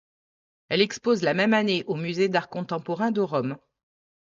Elle expose la même année au musée d'art contemporain de Rome.